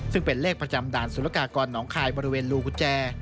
ซึ่งเป็นเลขประจำด่านสุรกากรหนองคายบริเวณรูกุญแจ